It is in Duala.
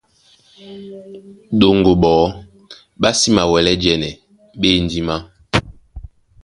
Ɗoŋgo ɓɔɔ́ ɓá sí mawɛlɛ́ jɛ́nɛ, ɓá e ndímá.